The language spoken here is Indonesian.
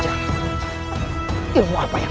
ibu apa yang kau pakai